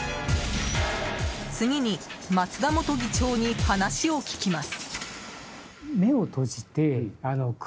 次に松田元議長に話を聞きます。